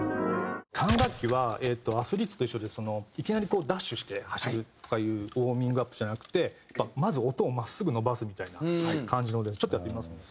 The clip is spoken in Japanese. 管楽器はアスリートと一緒でいきなりダッシュして走るとかいうウォーミングアップじゃなくてまず音を真っすぐ伸ばすみたいな感じのちょっとやってみますね。